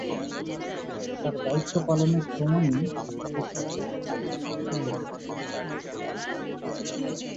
তাঁর দায়িত্ব পালনের সময়েই মুক্তিযোদ্ধা সনদ সংগ্রহের হিড়িক পড়েছে জনপ্রশাসনের কর্মকর্তাদের মধ্যে।